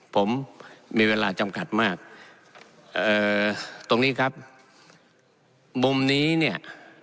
ผมมีเวลาจำกัดมากเอ่อตรงนี้ครับมุมนี้เนี่ย